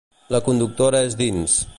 La conductora és dins.